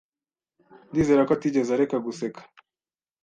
Ndizera ko atigeze areka guseka.